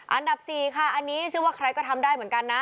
อันดับ๔ค่ะอันนี้ชื่อว่าใครก็ทำได้เหมือนกันนะ